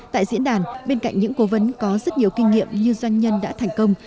tại diễn đàn bên cạnh những cố vấn có rất nhiều kinh nghiệm như doanh nhân đã thành công